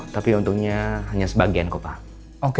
tapi untungnya hanya sebagian kok pak